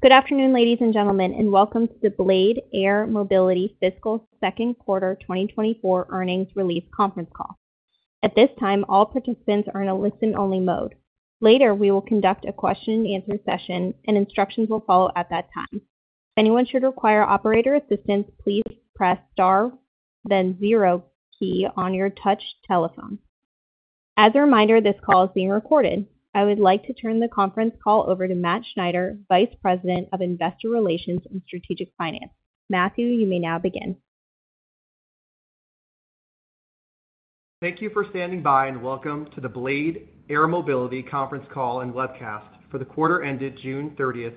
Good afternoon, ladies and gentlemen, and welcome to the Blade Air Mobility Fiscal Second Quarter 2024 Earnings Release Conference Call. At this time, all participants are in a listen-only mode. Later, we will conduct a question-and-answer session, and instructions will follow at that time. If anyone should require operator assistance, please press star, then zero key on your touch telephone. As a reminder, this call is being recorded. I would like to turn the conference call over to Matthew Schneider, Vice President of Investor Relations and Strategic Finance. Matthew, you may now begin. Thank you for standing by, and welcome to the Blade Air Mobility Conference Call and Webcast for the quarter ended June 30th,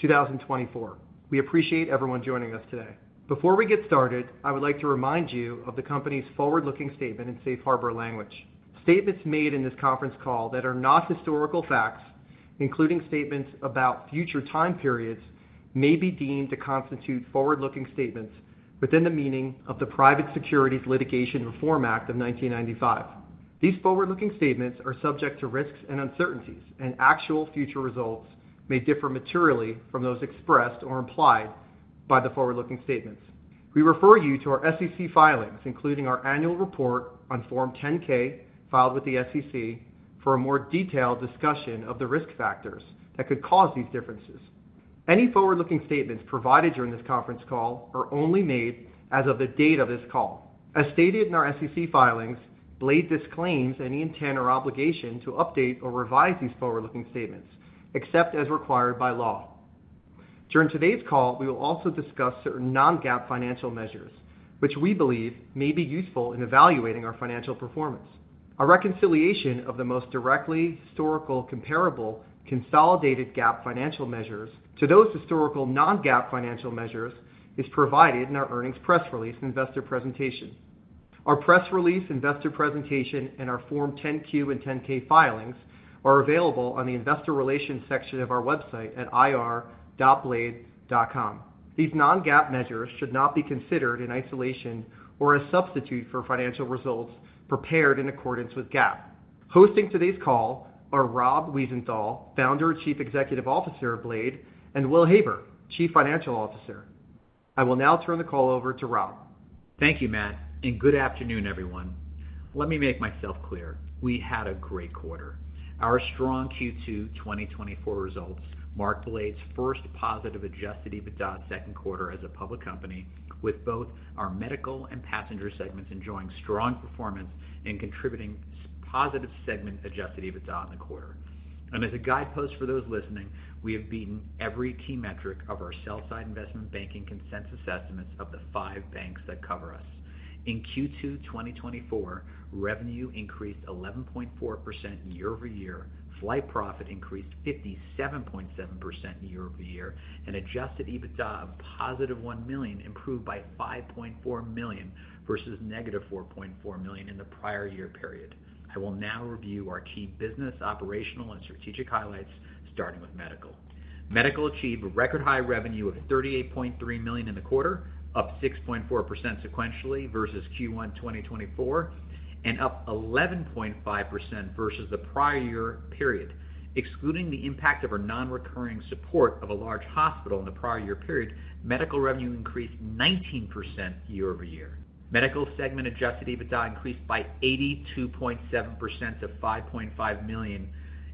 2024. We appreciate everyone joining us today. Before we get started, I would like to remind you of the company's forward-looking statement in safe harbor language. Statements made in this conference call that are not historical facts, including statements about future time periods, may be deemed to constitute forward-looking statements within the meaning of the Private Securities Litigation Reform Act of 1995. These forward-looking statements are subject to risks and uncertainties, and actual future results may differ materially from those expressed or implied by the forward-looking statements. We refer you to our SEC filings, including our annual report on Form 10-K filed with the SEC, for a more detailed discussion of the risk factors that could cause these differences. Any forward-looking statements provided during this conference call are only made as of the date of this call. As stated in our SEC filings, Blade disclaims any intent or obligation to update or revise these forward-looking statements, except as required by law. During today's call, we will also discuss certain non-GAAP financial measures, which we believe may be useful in evaluating our financial performance. A reconciliation of the most directly historical comparable consolidated GAAP financial measures to those historical non-GAAP financial measures is provided in our earnings press release and investor presentation. Our press release, investor presentation, and our Form 10-Q and 10-K filings are available on the investor relations section of our website at ir.blade.com. These non-GAAP measures should not be considered in isolation or as substitutes for financial results prepared in accordance with GAAP. Hosting today's call are Rob Wiesenthal, Founder and Chief Executive Officer of Blade, and Will Heyburn, Chief Financial Officer. I will now turn the call over to Rob. Thank you, Matt, and good afternoon, everyone. Let me make myself clear: we had a great quarter. Our strong Q2 2024 results marked Blade's first positive Adjusted EBITDA in the second quarter as a public company, with both our medical and passenger segments enjoying strong performance and contributing positive segment Adjusted EBITDA in the quarter. As a guidepost for those listening, we have beaten every key metric of our sell-side investment banking consensus estimates of the five banks that cover us. In Q2 2024, revenue increased 11.4% year-over-year, flight profit increased 57.7% year-over-year, and Adjusted EBITDA of positive $1 million improved by $5.4 million versus negative $4.4 million in the prior year period. I will now review our key business, operational, and strategic highlights, starting with medical. Medical achieved a record-high revenue of $38.3 million in the quarter, up 6.4% sequentially versus Q1 2024, and up 11.5% versus the prior year period. Excluding the impact of our non-recurring support of a large hospital in the prior year period, medical revenue increased 19% year-over-year. Medical segment adjusted EBITDA increased by 82.7% to $5.5 million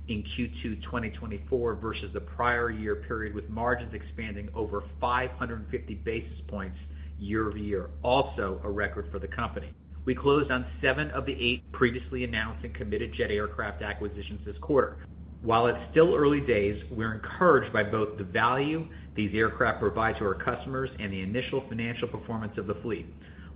in Q2 2024 versus the prior year period, with margins expanding over 550 basis points year-over-year, also a record for the company. We closed on seven of the eight previously announced and committed jet aircraft acquisitions this quarter. While it's still early days, we're encouraged by both the value these aircraft provide to our customers and the initial financial performance of the fleet.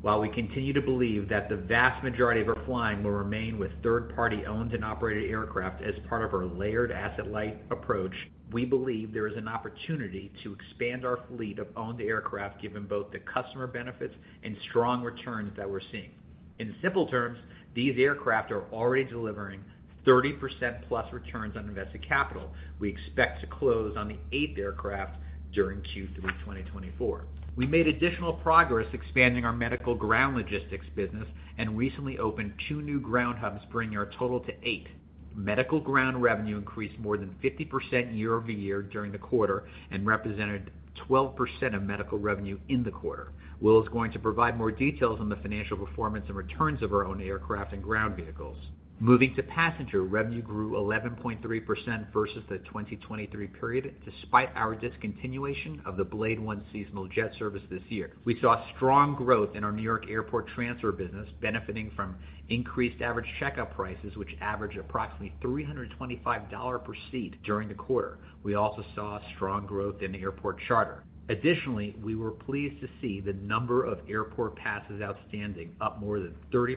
While we continue to believe that the vast majority of our flying will remain with third-party owned and operated aircraft as part of our layered asset light approach, we believe there is an opportunity to expand our fleet of owned aircraft given both the customer benefits and strong returns that we're seeing. In simple terms, these aircraft are already delivering 30%+ returns on invested capital. We expect to close on the 8th aircraft during Q3 2024. We made additional progress expanding our medical ground logistics business and recently opened 2 new ground hubs, bringing our total to 8. Medical ground revenue increased more than 50% year-over-year during the quarter and represented 12% of medical revenue in the quarter. Will is going to provide more details on the financial performance and returns of our own aircraft and ground vehicles. Moving to passenger, revenue grew 11.3% versus the 2023 period despite our discontinuation of the Blade One seasonal jet service this year. We saw strong growth in our New York airport transfer business, benefiting from increased average checkout prices, which averaged approximately $325 per seat during the quarter. We also saw strong growth in the airport charter. Additionally, we were pleased to see the number of airport passes outstanding, up more than 30%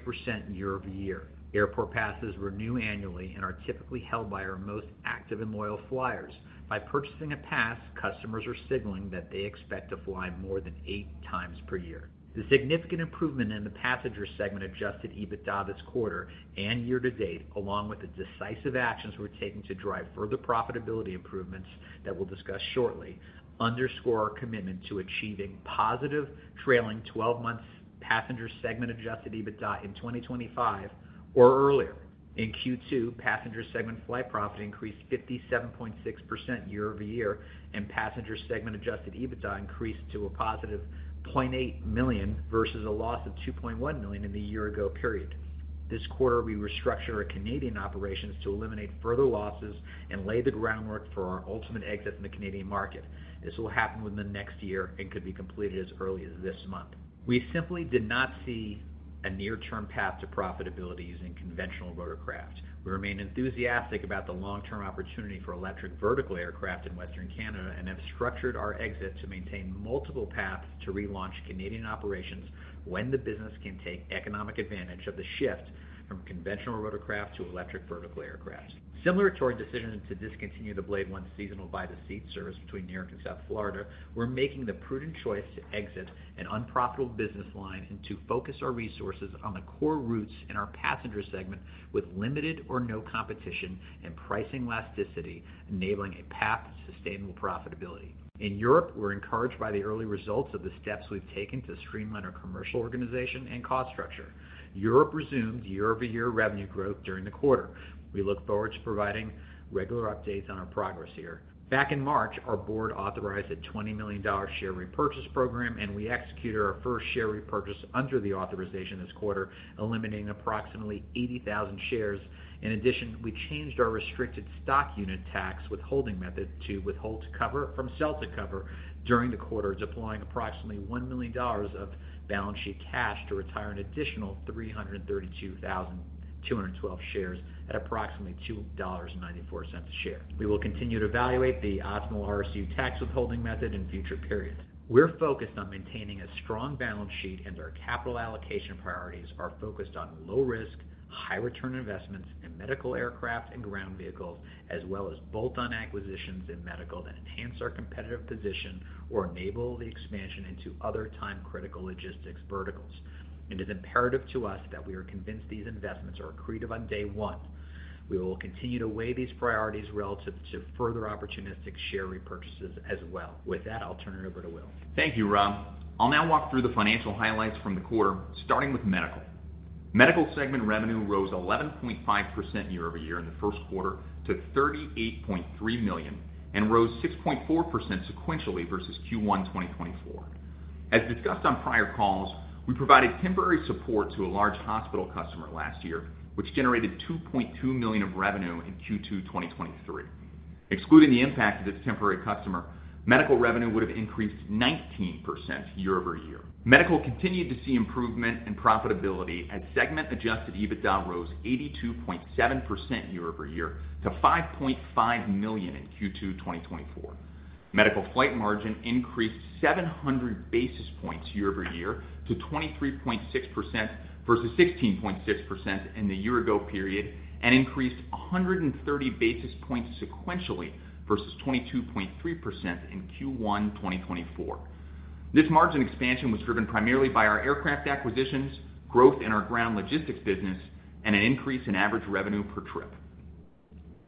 year-over-year. Airport passes renew annually and are typically held by our most active and loyal flyers. By purchasing a pass, customers are signaling that they expect to fly more than eight times per year. The significant improvement in the passenger segment adjusted EBITDA this quarter and year-to-date, along with the decisive actions we're taking to drive further profitability improvements that we'll discuss shortly, underscore our commitment to achieving positive trailing 12-month passenger segment adjusted EBITDA in 2025 or earlier. In Q2, passenger segment flight profit increased 57.6% year-over-year, and passenger segment adjusted EBITDA increased to a positive $0.8 million versus a loss of $2.1 million in the year-ago period. This quarter, we restructured our Canadian operations to eliminate further losses and lay the groundwork for our ultimate exit from the Canadian market. This will happen within the next year and could be completed as early as this month. We simply did not see a near-term path to profitability using conventional rotorcraft. We remain enthusiastic about the long-term opportunity for electric vertical aircraft in Western Canada and have structured our exit to maintain multiple paths to relaunch Canadian operations when the business can take economic advantage of the shift from conventional rotorcraft to electric vertical aircraft. Similar to our decision to discontinue the Blade One seasonal by-the-seat service between New York and South Florida, we're making the prudent choice to exit an unprofitable business line and to focus our resources on the core routes in our passenger segment with limited or no competition and pricing elasticity, enabling a path to sustainable profitability. In Europe, we're encouraged by the early results of the steps we've taken to streamline our commercial organization and cost structure. Europe resumed year-over-year revenue growth during the quarter. We look forward to providing regular updates on our progress here. Back in March, our board authorized a $20 million share repurchase program, and we executed our first share repurchase under the authorization this quarter, eliminating approximately 80,000 shares. In addition, we changed our Restricted Stock Unit tax withholding method to withhold to cover from sell to cover during the quarter, deploying approximately $1 million of balance sheet cash to retire an additional 332,212 shares at approximately $2.94 a share. We will continue to evaluate the optimal RSU tax withholding method in future periods. We're focused on maintaining a strong balance sheet, and our capital allocation priorities are focused on low-risk, high-return investments in medical aircraft and ground vehicles, as well as bolt-on acquisitions in medical that enhance our competitive position or enable the expansion into other time-critical logistics verticals. It is imperative to us that we are convinced these investments are accretive on day one. We will continue to weigh these priorities relative to further opportunistic share repurchases as well. With that, I'll turn it over to Will. Thank you, Rob. I'll now walk through the financial highlights from the quarter, starting with Medical. Medical segment revenue rose 11.5% year-over-year in the first quarter to $38.3 million and rose 6.4% sequentially versus Q1 2024. As discussed on prior calls, we provided temporary support to a large hospital customer last year, which generated $2.2 million of revenue in Q2 2023. Excluding the impact of this temporary customer, Medical revenue would have increased 19% year-over-year. Medical continued to see improvement in profitability as Segment Adjusted EBITDA rose 82.7% year-over-year to $5.5 million in Q2 2024. Medical flight margin increased 700 basis points year-over-year to 23.6% versus 16.6% in the year-ago period and increased 130 basis points sequentially versus 22.3% in Q1 2024. This margin expansion was driven primarily by our aircraft acquisitions, growth in our ground logistics business, and an increase in average revenue per trip.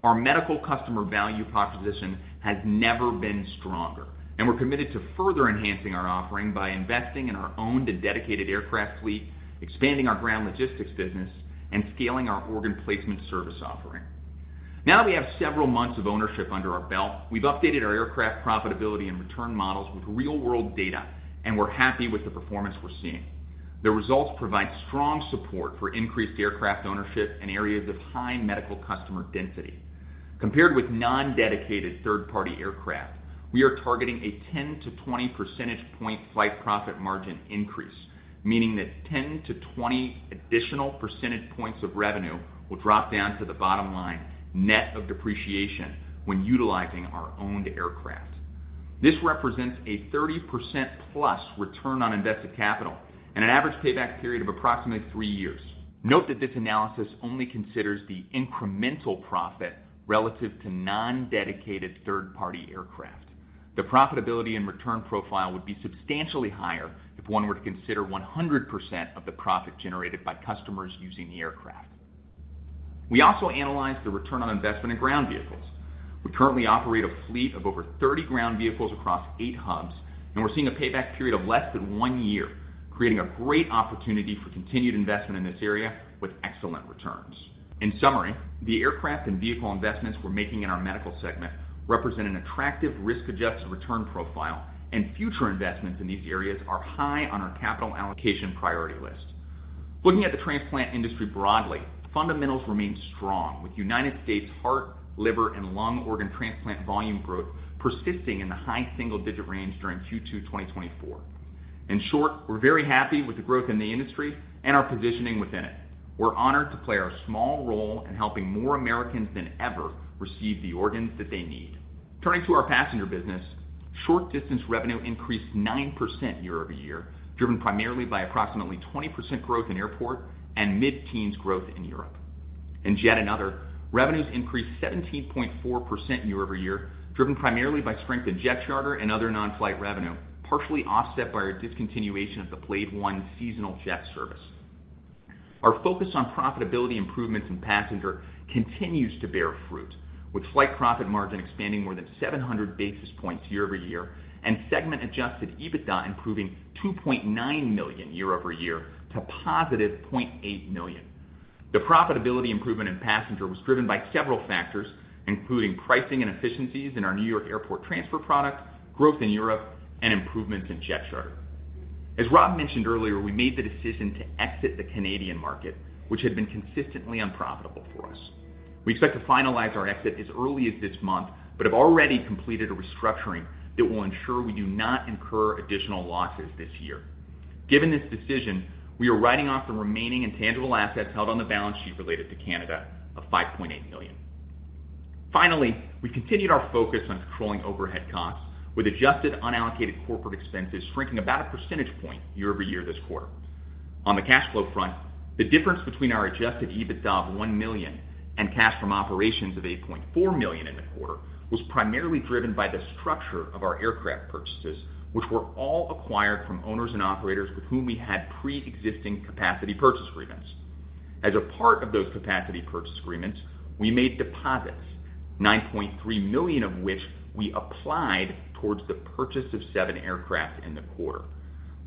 Our medical customer value proposition has never been stronger, and we're committed to further enhancing our offering by investing in our owned and dedicated aircraft fleet, expanding our ground logistics business, and scaling our organ placement service offering. Now that we have several months of ownership under our belt, we've updated our aircraft profitability and return models with real-world data, and we're happy with the performance we're seeing. The results provide strong support for increased aircraft ownership in areas of high medical customer density. Compared with non-dedicated third-party aircraft, we are targeting a 10-20 percentage point flight profit margin increase, meaning that 10-20 additional percentage points of revenue will drop down to the bottom line net of depreciation when utilizing our owned aircraft. This represents a 30%+ return on invested capital and an average payback period of approximately 3 years. Note that this analysis only considers the incremental profit relative to non-dedicated third-party aircraft. The profitability and return profile would be substantially higher if one were to consider 100% of the profit generated by customers using the aircraft. We also analyze the return on investment in ground vehicles. We currently operate a fleet of over 30 ground vehicles across eight hubs, and we're seeing a payback period of less than one year, creating a great opportunity for continued investment in this area with excellent returns. In summary, the aircraft and vehicle investments we're making in our medical segment represent an attractive risk-adjusted return profile, and future investments in these areas are high on our capital allocation priority list. Looking at the transplant industry broadly, fundamentals remain strong, with United States heart, liver, and lung organ transplant volume growth persisting in the high single-digit range during Q2 2024. In short, we're very happy with the growth in the industry and our positioning within it. We're honored to play our small role in helping more Americans than ever receive the organs that they need. Turning to our passenger business, short-distance revenue increased 9% year-over-year, driven primarily by approximately 20% growth in airport and mid-teens growth in Europe. In Jet and Other, revenues increased 17.4% year-over-year, driven primarily by strength in jet charter and other non-flight revenue, partially offset by our discontinuation of the Blade One seasonal jet service. Our focus on profitability improvements in passenger continues to bear fruit, with flight profit margin expanding more than 700 basis points year-over-year and Segment Adjusted EBITDA improving $2.9 million year-over-year to positive $0.8 million. The profitability improvement in Passenger was driven by several factors, including pricing and efficiencies in our New York airport transfer product, growth in Europe, and improvements in jet charter. As Rob mentioned earlier, we made the decision to exit the Canadian market, which had been consistently unprofitable for us. We expect to finalize our exit as early as this month but have already completed a restructuring that will ensure we do not incur additional losses this year. Given this decision, we are writing off the remaining intangible assets held on the balance sheet related to Canada of $5.8 million. Finally, we've continued our focus on controlling overhead costs, with Adjusted Unallocated Corporate Expenses shrinking about a percentage point year-over-year this quarter. On the cash flow front, the difference between our Adjusted EBITDA of $1 million and cash from operations of $8.4 million in the quarter was primarily driven by the structure of our aircraft purchases, which were all acquired from owners and operators with whom we had pre-existing capacity purchase agreements. As a part of those capacity purchase agreements, we made deposits, $9.3 million of which we applied towards the purchase of seven aircraft in the quarter.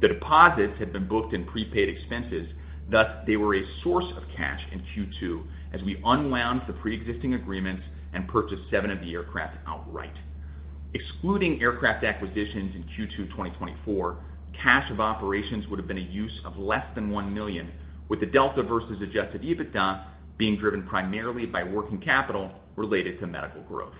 The deposits had been booked in prepaid expenses. Thus, they were a source of cash in Q2 as we unwound the pre-existing agreements and purchased seven of the aircraft outright. Excluding aircraft acquisitions in Q2 2024, cash from operations would have been a use of less than $1 million, with the delta versus Adjusted EBITDA being driven primarily by working capital related to medical growth.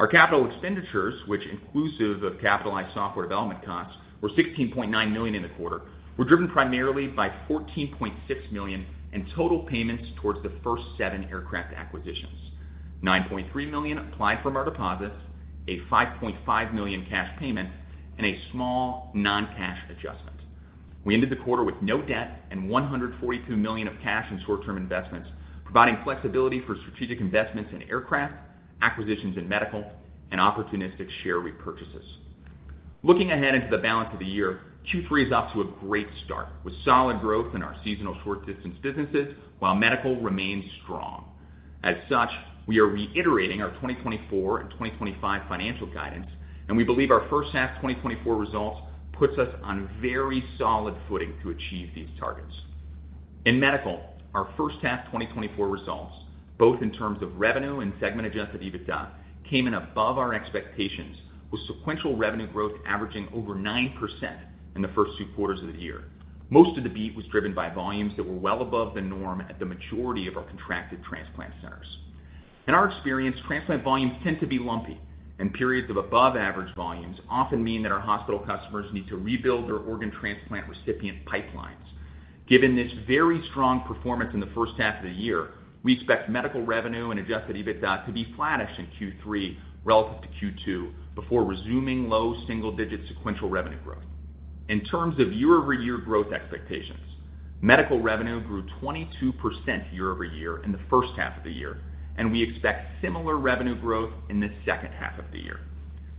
Our capital expenditures, which, inclusive of capitalized software development costs, were $16.9 million in the quarter, were driven primarily by $14.6 million in total payments towards the first 7 aircraft acquisitions: $9.3 million applied from our deposits, a $5.5 million cash payment, and a small non-cash adjustment. We ended the quarter with no debt and $142 million of cash and short-term investments, providing flexibility for strategic investments in aircraft acquisitions in medical and opportunistic share repurchases. Looking ahead into the balance of the year, Q3 is off to a great start with solid growth in our seasonal short-distance businesses, while medical remains strong. As such, we are reiterating our 2024 and 2025 financial guidance, and we believe our first half 2024 results puts us on very solid footing to achieve these targets. In medical, our first half 2024 results, both in terms of revenue and Segment Adjusted EBITDA, came in above our expectations, with sequential revenue growth averaging over 9% in the first two quarters of the year. Most of the beat was driven by volumes that were well above the norm at the majority of our contracted transplant centers. In our experience, transplant volumes tend to be lumpy, and periods of above-average volumes often mean that our hospital customers need to rebuild their organ transplant recipient pipelines. Given this very strong performance in the first half of the year, we expect medical revenue and adjusted EBITDA to be flattish in Q3 relative to Q2 before resuming low single-digit sequential revenue growth. In terms of year-over-year growth expectations, medical revenue grew 22% year-over-year in the first half of the year, and we expect similar revenue growth in the second half of the year.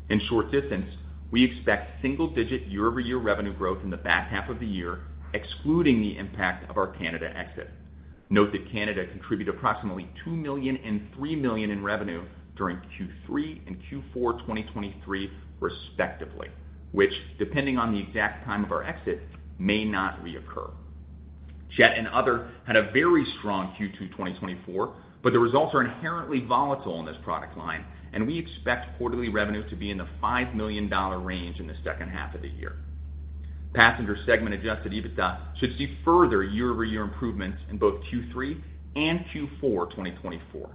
In short distance, we expect single-digit year-over-year revenue growth in the back half of the year, excluding the impact of our Canada exit. Note that Canada contributed approximately $2 million and $3 million in revenue during Q3 and Q4 2023, respectively, which, depending on the exact time of our exit, may not reoccur. Jet and Other had a very strong Q2 2024, but the results are inherently volatile in this product line, and we expect quarterly revenue to be in the $5 million range in the second half of the year. Passenger segment adjusted EBITDA should see further year-over-year improvements in both Q3 and Q4 2024.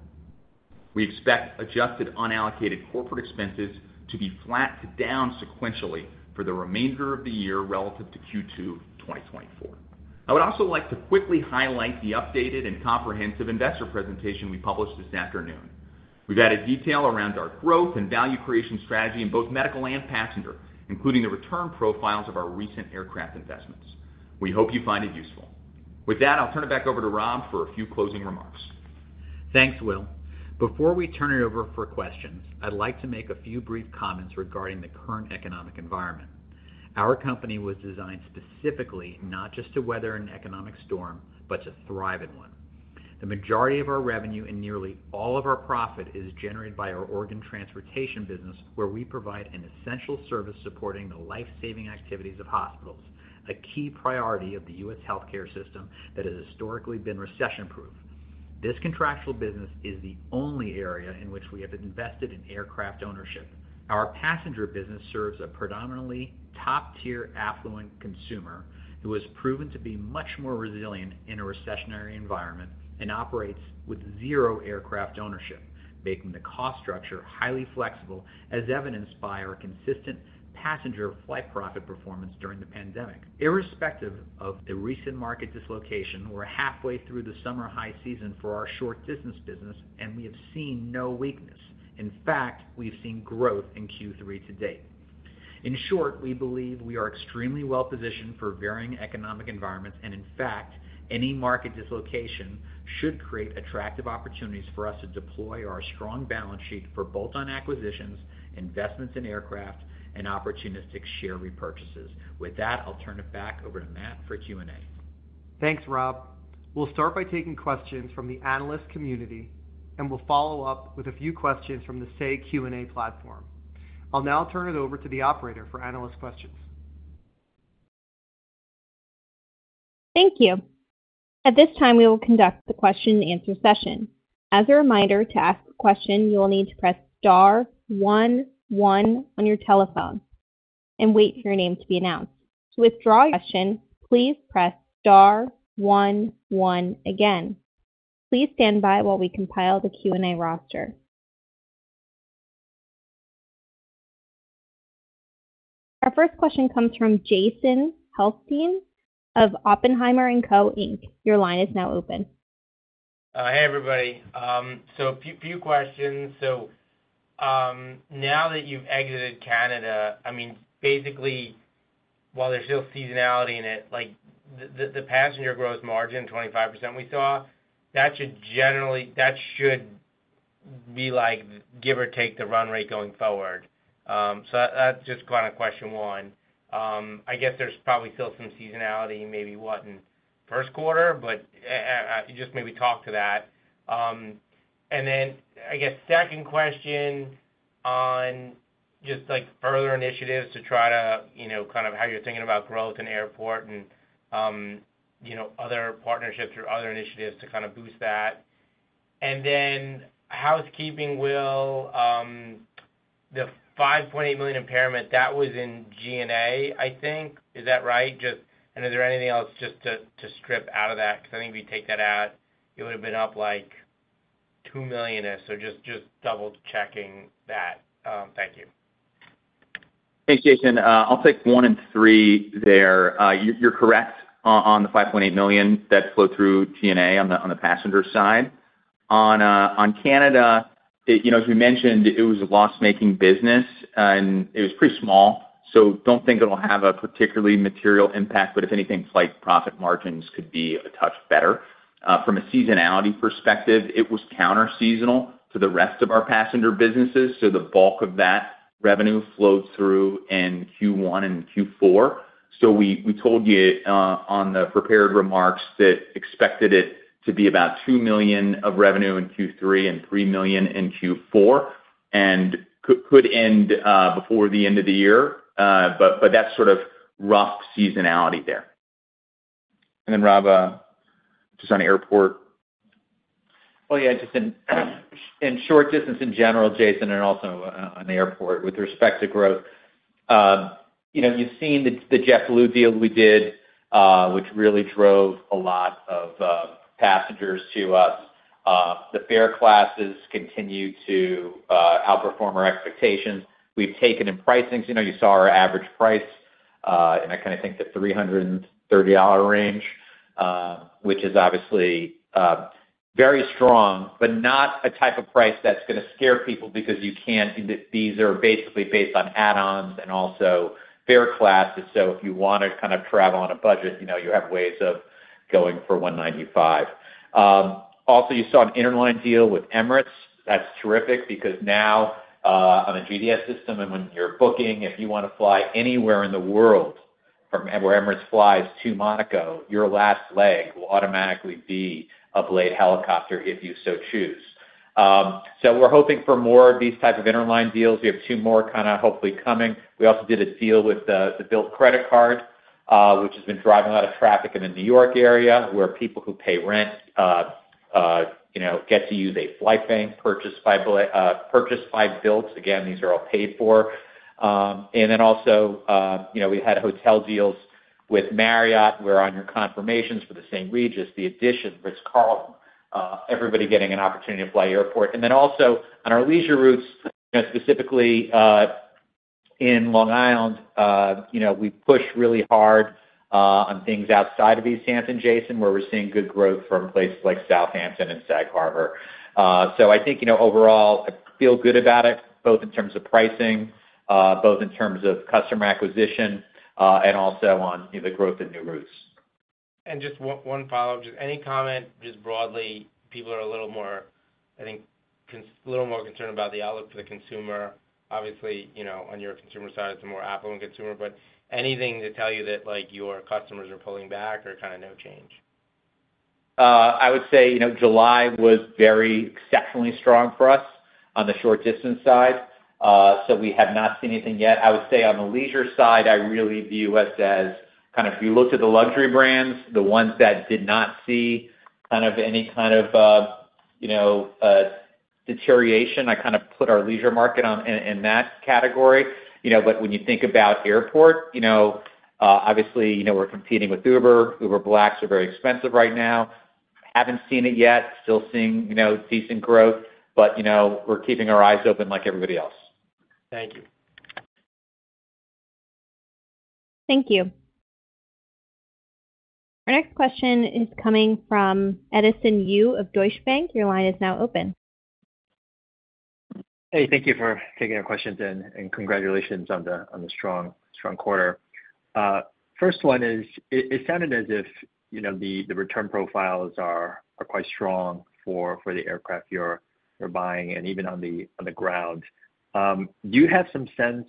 We expect Adjusted Unallocated Corporate Expenses to be flat to down sequentially for the remainder of the year relative to Q2 2024. I would also like to quickly highlight the updated and comprehensive investor presentation we published this afternoon. We've added detail around our growth and value creation strategy in both Medical and Passenger, including the return profiles of our recent aircraft investments. We hope you find it useful. With that, I'll turn it back over to Rob for a few closing remarks. Thanks, Will. Before we turn it over for questions, I'd like to make a few brief comments regarding the current economic environment. Our company was designed specifically not just to weather an economic storm, but to thrive in one. The majority of our revenue and nearly all of our profit is generated by our organ transportation business, where we provide an essential service supporting the life-saving activities of hospitals, a key priority of the U.S. healthcare system that has historically been recession-proof. This contractual business is the only area in which we have invested in aircraft ownership. Our passenger business serves a predominantly top-tier affluent consumer who has proven to be much more resilient in a recessionary environment and operates with zero aircraft ownership, making the cost structure highly flexible, as evidenced by our consistent passenger flight profit performance during the pandemic. Irrespective of the recent market dislocation, we're halfway through the summer high season for our short-distance business, and we have seen no weakness. In fact, we've seen growth in Q3 to date. In short, we believe we are extremely well-positioned for varying economic environments, and in fact, any market dislocation should create attractive opportunities for us to deploy our strong balance sheet for bolt-on acquisitions, investments in aircraft, and opportunistic share repurchases. With that, I'll turn it back over to Matt for Q&A. Thanks, Rob. We'll start by taking questions from the analyst community, and we'll follow up with a few questions from the Say Q&A platform. I'll now turn it over to the operator for analyst questions. Thank you. At this time, we will conduct the question-and-answer session. As a reminder, to ask a question, you will need to press *11 on your telephone and wait for your name to be announced. To withdraw your question, please press *11 again. Please stand by while we compile the Q&A roster. Our first question comes from Jason Helfstein of Oppenheimer & Co. Inc. Your line is now open. Hey, everybody. So a few questions. So now that you've exited Canada, I mean, basically, while there's still seasonality in it, the passenger gross margin of 25% we saw, that should generally be like, give or take, the run rate going forward. So that's just kind of question one. I guess there's probably still some seasonality, maybe what, in first quarter, but just maybe talk to that. And then, I guess, second question on just further initiatives to try to kind of how you're thinking about growth in airport and other partnerships or other initiatives to kind of boost that. And then housekeeping, Will, the $5.8 million impairment, that was in G&A, I think. Is that right? And is there anything else just to strip out of that? Because I think if you take that out, it would have been up like $2 million-ish. So just double-checking that. Thank you. Thanks, Jason. I'll pick one and three there. You're correct on the $5.8 million that flowed through G&A on the passenger side. On Canada, as we mentioned, it was a loss-making business, and it was pretty small, so don't think it'll have a particularly material impact, but if anything, flight profit margins could be a touch better. From a seasonality perspective, it was counter-seasonal to the rest of our passenger businesses, so the bulk of that revenue flowed through in Q1 and Q4. So we told you on the prepared remarks that expected it to be about $2 million of revenue in Q3 and $3 million in Q4 and could end before the end of the year, but that's sort of rough seasonality there. And then, Rob, just on airport. Oh, yeah. Just in short distance in general, Jason, and also on the airport, with respect to growth, you've seen the JetBlue deal we did, which really drove a lot of passengers to us. The fare classes continue to outperform our expectations. We've taken in pricings. You saw our average price in, I kind of think, the $330 range, which is obviously very strong, but not a type of price that's going to scare people because these are basically based on add-ons and also fare classes. So if you want to kind of travel on a budget, you have ways of going for $195. Also, you saw an interline deal with Emirates. That's terrific because now on the GDS system, and when you're booking, if you want to fly anywhere in the world from where Emirates flies to Monaco, your last leg will automatically be a Blade helicopter if you so choose. So we're hoping for more of these types of interline deals. We have two more kind of hopefully coming. We also did a deal with the Bilt credit card, which has been driving a lot of traffic in the New York area where people who pay rent get to use a flight bank purchased by Bilt. Again, these are all paid for. And then also, we had hotel deals with Marriott where on your confirmations for the St. Regis, the EDITION, Ritz-Carlton, everybody getting an opportunity to fly airport. Then also on our leisure routes, specifically in Long Island, we push really hard on things outside of East Hampton, Jason, where we're seeing good growth from places like Southampton and Sag Harbor. So I think overall, I feel good about it, both in terms of pricing, both in terms of customer acquisition, and also on the growth in new routes. Just one follow-up. Just any comment, just broadly, people are a little more, I think, a little more concerned about the outlook for the consumer. Obviously, on your consumer side, it's a more affluent consumer, but anything to tell you that your customers are pulling back or kind of no change? I would say July was very exceptionally strong for us on the short-distance side, so we have not seen anything yet. I would say on the leisure side, I really view us as kind of if you looked at the luxury brands, the ones that did not see kind of any kind of deterioration, I kind of put our leisure market in that category. But when you think about airport, obviously, we're competing with Uber. Uber Black is very expensive right now. Haven't seen it yet. Still seeing decent growth, but we're keeping our eyes open like everybody else. Thank you. Thank you. Our next question is coming from Edison Yu of Deutsche Bank. Your line is now open. Hey, thank you for taking our questions and congratulations on the strong quarter. First one is, it sounded as if the return profiles are quite strong for the aircraft you're buying and even on the ground. Do you have some sense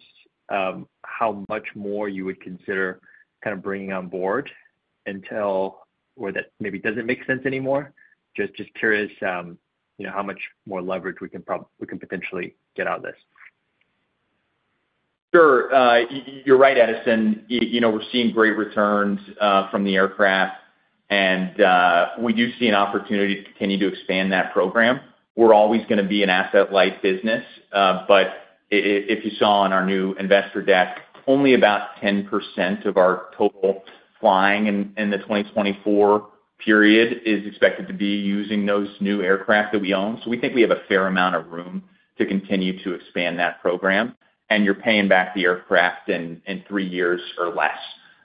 of how much more you would consider kind of bringing on board until or that maybe doesn't make sense anymore? Just curious how much more leverage we can potentially get out of this. Sure. You're right, Edison. We're seeing great returns from the aircraft, and we do see an opportunity to continue to expand that program. We're always going to be an asset-light business, but if you saw on our new investor deck, only about 10% of our total flying in the 2024 period is expected to be using those new aircraft that we own. So we think we have a fair amount of room to continue to expand that program, and you're paying back the aircraft in three years or less.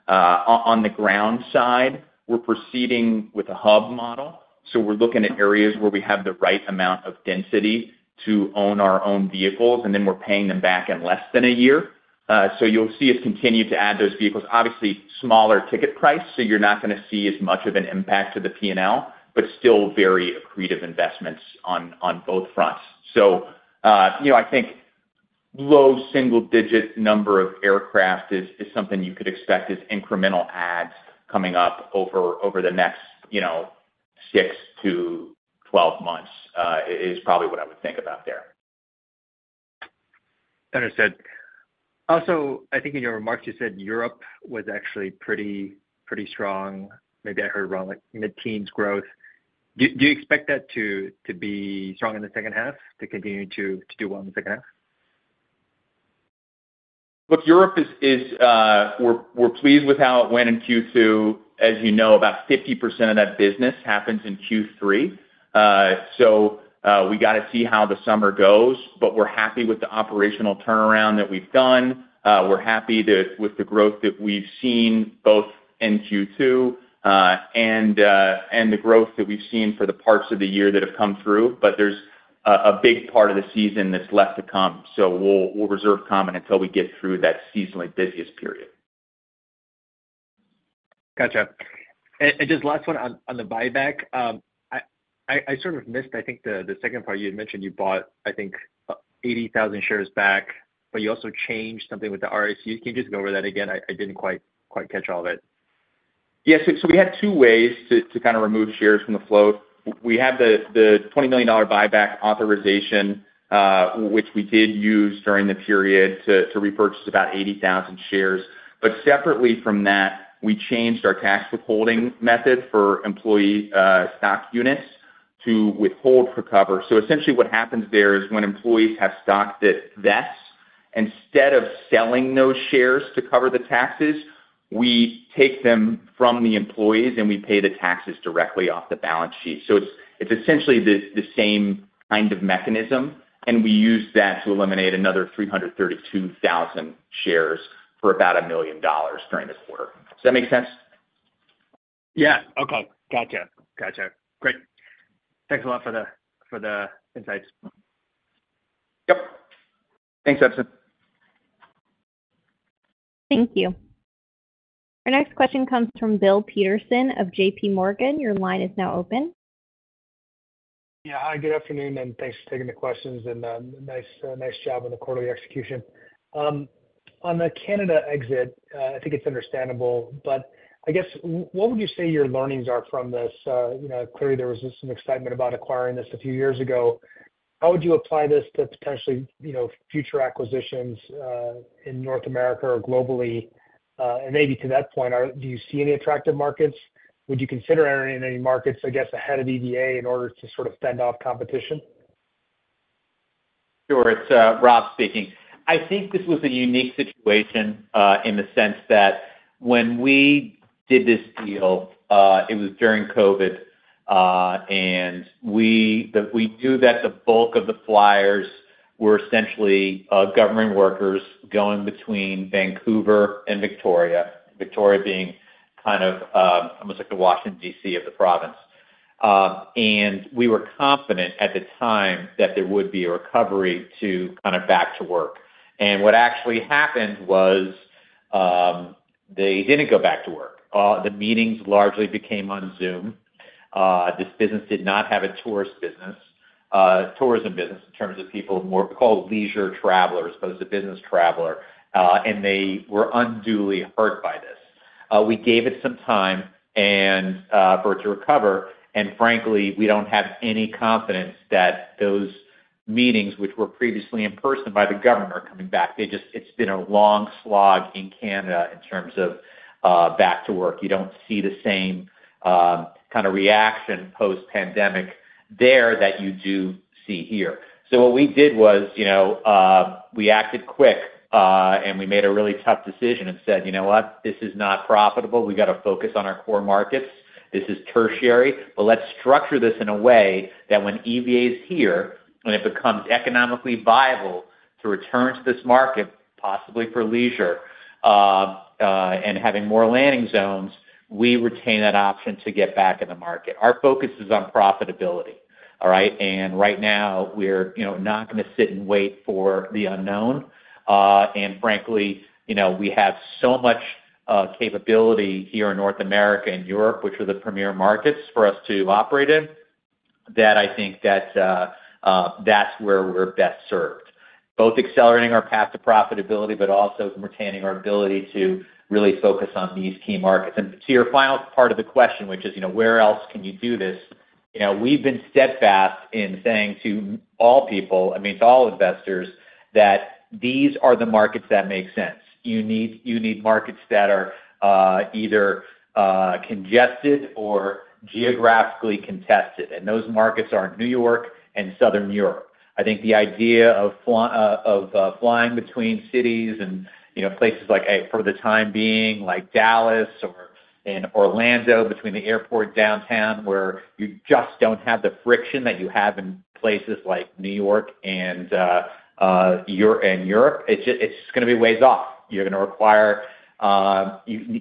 On the ground side, we're proceeding with a hub model, so we're looking at areas where we have the right amount of density to own our own vehicles, and then we're paying them back in less than a year. So you'll see us continue to add those vehicles. Obviously, smaller ticket price, so you're not going to see as much of an impact to the P&L, but still very accretive investments on both fronts. So I think low single-digit number of aircraft is something you could expect as incremental adds coming up over the next 6 to 12 months is probably what I would think about there. Understood. Also, I think in your remarks, you said Europe was actually pretty strong. Maybe I heard wrong, like mid-teens growth. Do you expect that to be strong in the second half, to continue to do well in the second half? Look, Europe, we're pleased with how it went in Q2. As you know, about 50% of that business happens in Q3. So we got to see how the summer goes, but we're happy with the operational turnaround that we've done. We're happy with the growth that we've seen both in Q2 and the growth that we've seen for the parts of the year that have come through, but there's a big part of the season that's left to come. So we'll reserve comment until we get through that seasonally busiest period. Gotcha. And just last one on the buyback. I sort of missed, I think, the second part. You had mentioned you bought, I think, 80,000 shares back, but you also changed something with the RSU. Can you just go over that again? I didn't quite catch all of it. Yeah. So we had two ways to kind of remove shares from the flow. We have the $20 million buyback authorization, which we did use during the period to repurchase about 80,000 shares. But separately from that, we changed our tax withholding method for employee stock units to withhold for cover. So essentially, what happens there is when employees have stock that vests, instead of selling those shares to cover the taxes, we take them from the employees and we pay the taxes directly off the balance sheet. So it's essentially the same kind of mechanism, and we use that to eliminate another 332,000 shares for about $1 million during the quarter. Does that make sense? Yeah. Okay. Gotcha. Gotcha. Great. Thanks a lot for the insights. Yep. Thanks, Edison. Thank you. Our next question comes from Bill Peterson of J.P. Morgan. Your line is now open. Yeah. Hi, good afternoon, and thanks for taking the questions and the nice job on the quarterly execution. On the Canada exit, I think it's understandable, but I guess what would you say your learnings are from this? Clearly, there was some excitement about acquiring this a few years ago. How would you apply this to potentially future acquisitions in North America or globally? And maybe to that point, do you see any attractive markets? Would you consider entering any markets, I guess, ahead of EVA in order to sort of fend off competition? Sure. It's Rob speaking. I think this was a unique situation in the sense that when we did this deal, it was during COVID, and we knew that the bulk of the flyers were essentially government workers going between Vancouver and Victoria, Victoria being kind of almost like the Washington, D.C. of the province. And we were confident at the time that there would be a recovery to kind of back to work. And what actually happened was they didn't go back to work. The meetings largely became on Zoom. This business did not have a tourist business, tourism business in terms of people called leisure travelers, but it was a business traveler, and they were unduly hurt by this. We gave it some time for it to recover, and frankly, we don't have any confidence that those meetings, which were previously in person by the governor, are coming back. It's been a long slog in Canada in terms of back to work. You don't see the same kind of reaction post-pandemic there that you do see here. So what we did was we acted quick, and we made a really tough decision and said, "You know what? This is not profitable. We got to focus on our core markets. This is tertiary, but let's structure this in a way that when EVA is here and it becomes economically viable to return to this market, possibly for leisure and having more landing zones, we retain that option to get back in the market." Our focus is on profitability, all right? And right now, we're not going to sit and wait for the unknown. Frankly, we have so much capability here in North America and Europe, which are the premier markets for us to operate in, that I think that's where we're best served, both accelerating our path to profitability, but also retaining our ability to really focus on these key markets. To your final part of the question, which is, "Where else can you do this?" We've been steadfast in saying to all people, I mean, to all investors, that these are the markets that make sense. You need markets that are either congested or geographically contested, and those markets are New York and Southern Europe. I think the idea of flying between cities and places like, for the time being, like Dallas or in Orlando between the airport downtown where you just don't have the friction that you have in places like New York and Europe, it's just going to be ways off. You're going to require new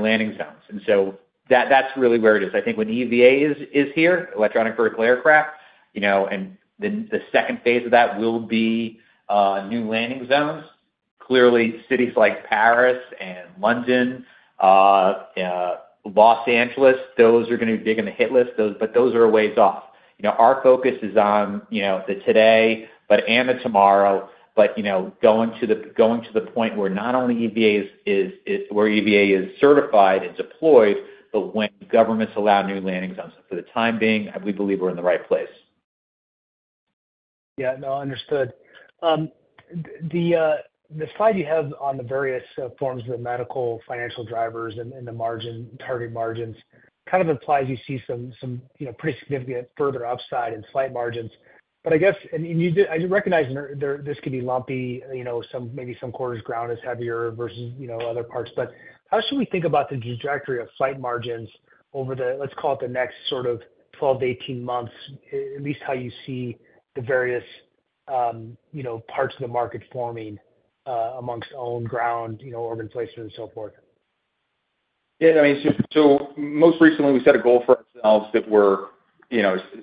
landing zones. And so that's really where it is. I think when EVA is here, electric vertical aircraft, and then the second phase of that will be new landing zones. Clearly, cities like Paris and London, Los Angeles, those are going to be big in the hit list, but those are a ways off. Our focus is on the today and the tomorrow, but going to the point where not only EVA is certified and deployed, but when governments allow new landing zones. For the time being, we believe we're in the right place. Yeah. No, understood. The slide you have on the various forms of medical financial drivers and the target margins kind of implies you see some pretty significant further upside in flight margins. But I guess, and I recognize this could be lumpy, maybe some quarters' ground is heavier versus other parts, but how should we think about the trajectory of flight margins over the, let's call it the next sort of 12 to 18 months, at least how you see the various parts of the market forming amongst own ground, organ placement, and so forth? Yeah. I mean, so most recently, we set a goal for ourselves that we're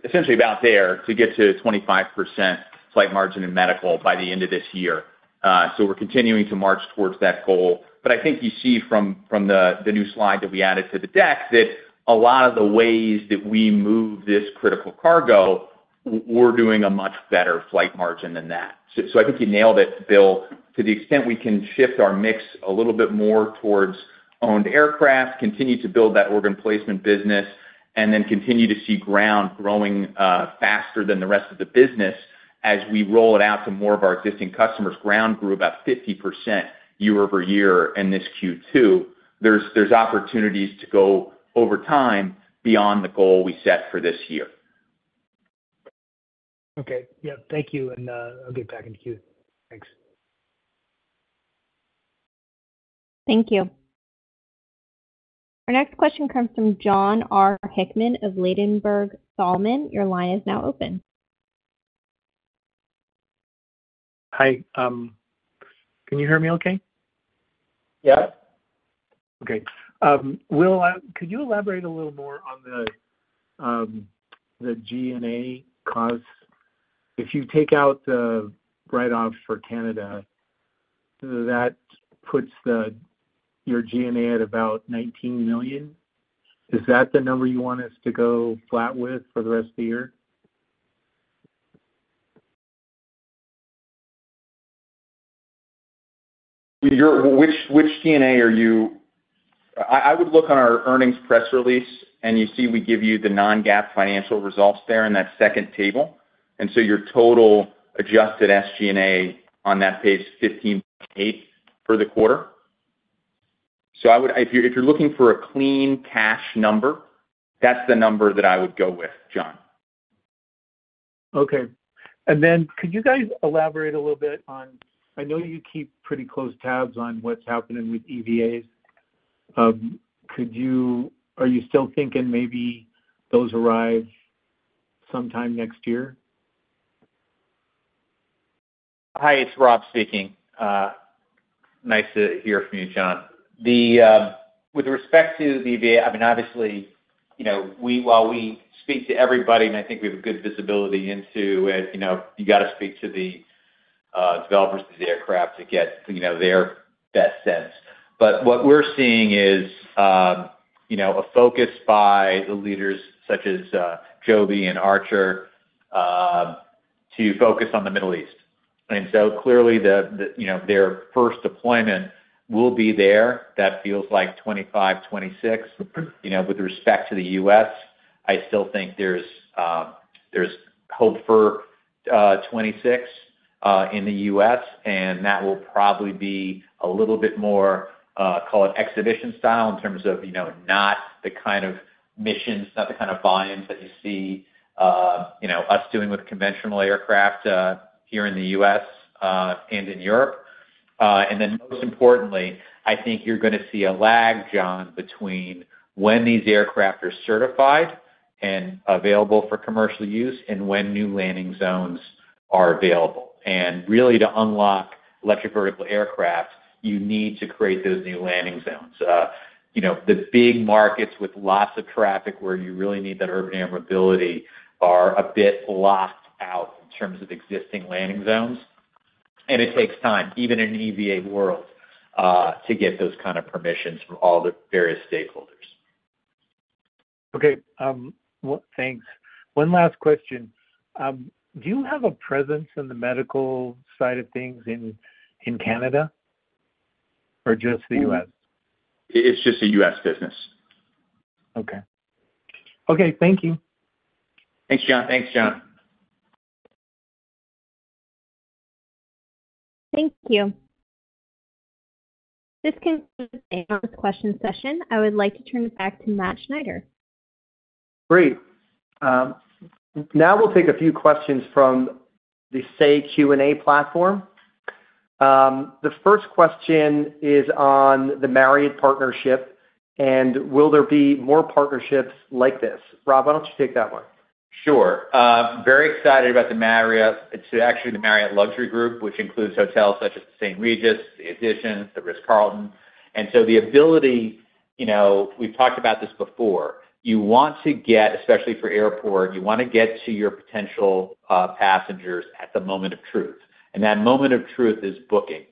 essentially about there to get to 25% flight margin in medical by the end of this year. So we're continuing to march towards that goal. But I think you see from the new slide that we added to the deck that a lot of the ways that we move this critical cargo, we're doing a much better flight margin than that. So I think you nailed it, Bill, to the extent we can shift our mix a little bit more towards owned aircraft, continue to build that organ placement business, and then continue to see ground growing faster than the rest of the business as we roll it out to more of our existing customers. Ground grew about 50% year-over-year in this Q2. There's opportunities to go over time beyond the goal we set for this year. Okay. Yep. Thank you. I'll get back into Q. Thanks. Thank you. Our next question comes from Jon R. Hickman of Ladenburg Thalmann. Your line is now open. Hi. Can you hear me okay? Yes. Okay. Will, could you elaborate a little more on the G&A costs? If you take out the write-off for Canada, that puts your G&A at about $19 million. Is that the number you want us to go flat with for the rest of the year? Which G&A are you? I would look on our earnings press release, and you see we give you the Non-GAAP financial results there in that second table. And so your total adjusted SG&A on that page is $15.8 for the quarter. So if you're looking for a clean cash number, that's the number that I would go with, John. Okay. And then could you guys elaborate a little bit on, I know you keep pretty close tabs on what's happening with EVAs. Are you still thinking maybe those arrive sometime next year? Hi, it's Rob speaking. Nice to hear from you, John. With respect to the EVA, I mean, obviously, while we speak to everybody, and I think we have a good visibility into it, you got to speak to the developers of the aircraft to get their best sense. But what we're seeing is a focus by the leaders such as Joby and Archer to focus on the Middle East. And so clearly, their first deployment will be there. That feels like 2025, 2026. With respect to the U.S., I still think there's hope for 2026 in the U.S., and that will probably be a little bit more, call it exhibition style in terms of not the kind of missions, not the kind of volumes that you see us doing with conventional aircraft here in the U.S. and in Europe. Then most importantly, I think you're going to see a lag, Jon, between when these aircraft are certified and available for commercial use and when new landing zones are available. Really, to unlock electric vertical aircraft, you need to create those new landing zones. The big markets with lots of traffic where you really need that urban air mobility are a bit locked out in terms of existing landing zones. It takes time, even in an EVA world, to get those kind of permissions from all the various stakeholders. Okay. Thanks. One last question. Do you have a presence in the medical side of things in Canada or just the U.S.? It's just a U.S. business. Okay. Okay. Thank you. Thanks, John. Thanks, John. Thank you. This concludes our question session. I would like to turn it back to Matthew Schneider. Great. Now we'll take a few questions from the Say Q&A platform. The first question is on the Marriott partnership, and will there be more partnerships like this? Rob, why don't you take that one? Sure. Very excited about the Marriott. It's actually the Marriott Luxury Group, which includes hotels such as the St. Regis, the Edition, the Ritz-Carlton. So the ability, we've talked about this before, you want to get, especially for airport, you want to get to your potential passengers at the moment of truth. And that moment of truth is booking.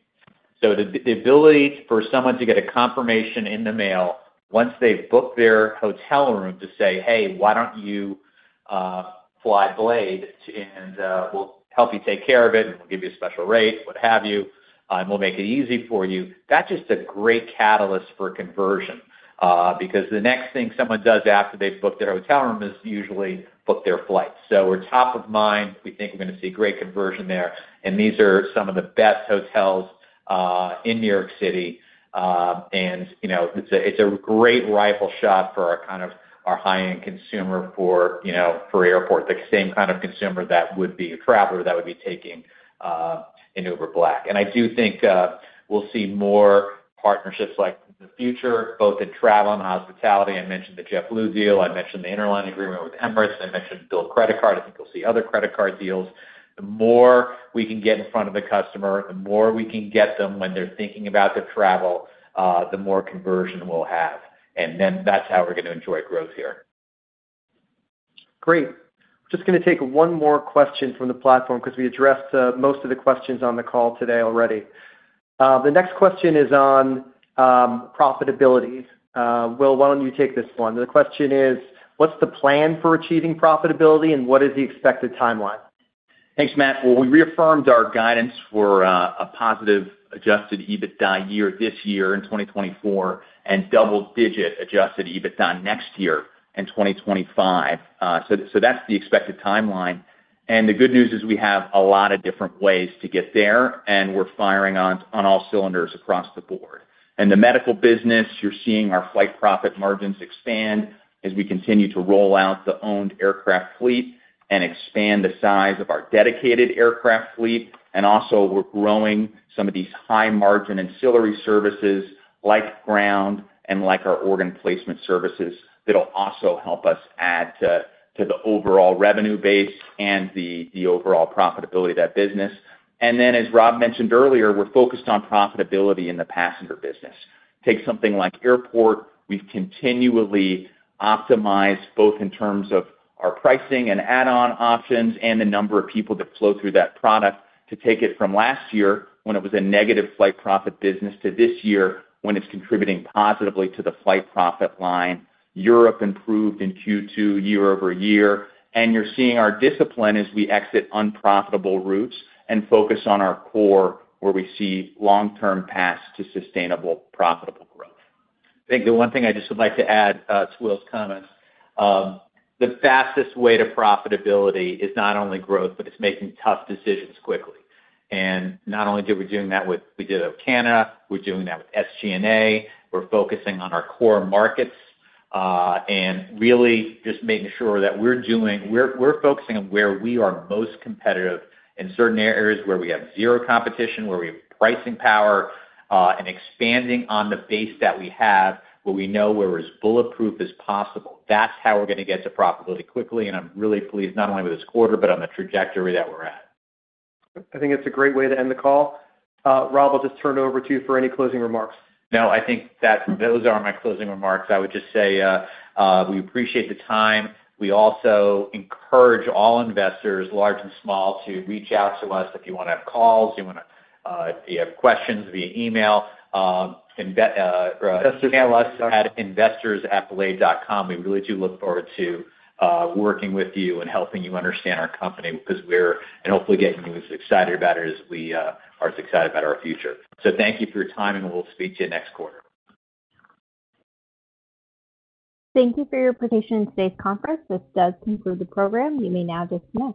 So the ability for someone to get a confirmation in the mail once they've booked their hotel room to say, "Hey, why don't you fly Blade? And we'll help you take care of it, and we'll give you a special rate, what have you, and we'll make it easy for you." That's just a great catalyst for conversion because the next thing someone does after they've booked their hotel room is usually book their flight. So we're top of mind. We think we're going to see great conversion there. These are some of the best hotels in New York City. It's a great rifle shot for kind of our high-end consumer for airport, the same kind of consumer that would be a traveler that would be taking an Uber Black. I do think we'll see more partnerships like in the future, both in travel and hospitality. I mentioned the JetBlue deal. I mentioned the interline agreement with Emirates. I mentioned Bilt credit card. I think you'll see other credit card deals. The more we can get in front of the customer, the more we can get them when they're thinking about their travel, the more conversion we'll have. Then that's how we're going to enjoy growth here. Great. I'm just going to take one more question from the platform because we addressed most of the questions on the call today already. The next question is on profitability. Will, why don't you take this one? The question is, what's the plan for achieving profitability, and what is the expected timeline? Thanks, Matt. Well, we reaffirmed our guidance for a positive Adjusted EBITDA year this year in 2024 and double-digit Adjusted EBITDA next year in 2025. So that's the expected timeline. And the good news is we have a lot of different ways to get there, and we're firing on all cylinders across the board. In the medical business, you're seeing our flight profit margins expand as we continue to roll out the owned aircraft fleet and expand the size of our dedicated aircraft fleet. And also, we're growing some of these high-margin ancillary services like ground and like our organ placement services that'll also help us add to the overall revenue base and the overall profitability of that business. And then, as Rob mentioned earlier, we're focused on profitability in the passenger business. Take something like airport. We've continually optimized both in terms of our pricing and add-on options and the number of people that flow through that product to take it from last year when it was a negative flight profit business to this year when it's contributing positively to the flight profit line. Europe improved in Q2 year-over-year. You're seeing our discipline as we exit unprofitable routes and focus on our core where we see long-term paths to sustainable profitable growth. I think the one thing I just would like to add to Will's comments, the fastest way to profitability is not only growth, but it's making tough decisions quickly. Not only did we do that with. We did it with Canada. We're doing that with SG&A. We're focusing on our core markets and really just making sure that we're focusing on where we are most competitive in certain areas where we have zero competition, where we have pricing power, and expanding on the base that we have where we know we're as bulletproof as possible. That's how we're going to get to profitability quickly. I'm really pleased not only with this quarter, but on the trajectory that we're at. I think it's a great way to end the call. Rob, I'll just turn it over to you for any closing remarks. No, I think those are my closing remarks. I would just say we appreciate the time. We also encourage all investors, large and small, to reach out to us if you want to have calls. You have questions via email. investors@blade.com. We really do look forward to working with you and helping you understand our company because we're and hopefully getting you as excited about it as we are as excited about our future. So thank you for your time, and we'll speak to you next quarter. Thank you for your participation in today's conference. This does conclude the program. You may now disconnect.